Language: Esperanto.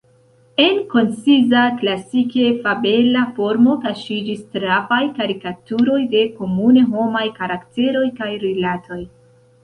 En konciza, klasike fabela formo kaŝiĝis trafaj karikaturoj de komune homaj karakteroj kaj rilatoj.